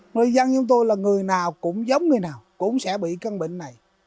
người dân như tôi là người nào cũng giống người nào cũng sẽ bị căn bệnh này